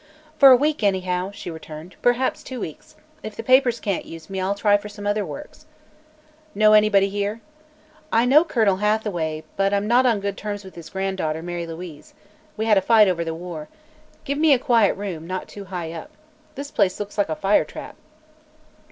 "For a week, anyhow," she returned; "perhaps two weeks: If the papers can't use me, I'll try for some other work." "Know anybody here?" "I know Colonel Hathaway, but I'm not on good terms with his granddaughter, Mary Louise. We had a fight over the war. Give me a quiet room, not too high up. This place looks like a fire trap."